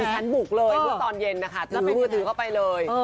ดิทันบุกเลยทุกตอนเย็นนะคะถือผู้ถือเข้าไปเลย